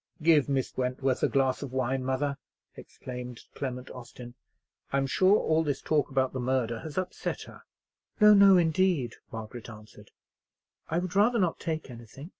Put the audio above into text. "Give Miss Wentworth a glass of wine, mother," exclaimed Clement Austin; "I'm sure all this talk about the murder has upset her." "No, no, indeed!" Margaret answered, "I would rather not take anything.